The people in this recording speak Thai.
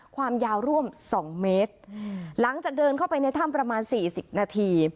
ความยาวร่วมสองเมตรหลังจากเดินเข้าไปในถ้ำประมาณสี่สิบนาที